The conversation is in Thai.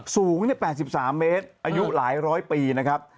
สูง๘๓เมตรอายุหลายร้อยปีนะครับ